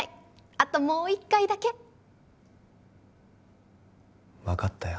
あともう一回だけ分かったよ